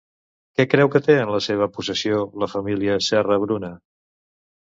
Què creu que té en la seva possessió la família Serra-Bruna?